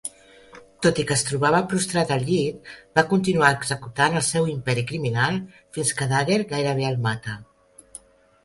Tot i que es trobava prostrat al llit, va continuar executant el seu imperi criminal fins que Dagger gairebé el mata.